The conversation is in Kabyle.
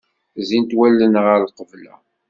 Zzint wallen ɣer lqebla.